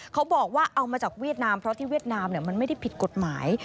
เขาบอกว่าเอามาจากเวียดนามเพราะที่เวียดนามมันไม่ได้ผิดกฎหมาย